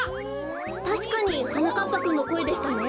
たしかにはなかっぱくんのこえでしたね。